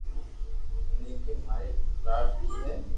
ديڪري ماري لاڌڪي ھي